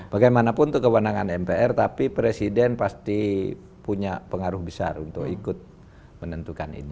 bagaimanapun itu kewenangan mpr tapi presiden pasti punya pengaruh besar untuk ikut menentukan ini